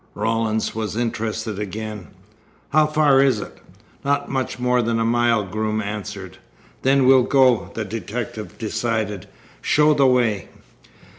Rawlins was interested again. "How far is it?" "Not much more than a mile," Groom answered. "Then we'll go," the detective decided. "Show the way."